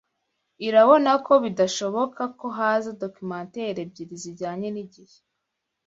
irabona ko bidashoboka ko haza documentaire ebyiri zijyanye nigihe